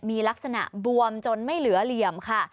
มีลักษณะบวมจนไม่เหลือเหลี่ยมค่ะ